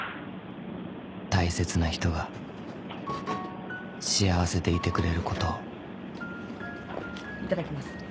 ［大切な人が幸せでいてくれることを］いただきます。